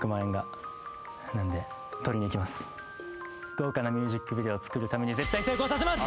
豪華なミュージックビデオ作るために絶対成功させます！